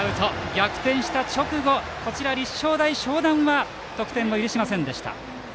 逆転した直後、立正大淞南は得点を許しませんでした。